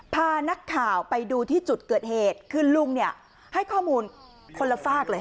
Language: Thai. พานักข่าวไปดูที่จุดเกิดเหตุคือลุงเนี่ยให้ข้อมูลคนละฝากเลย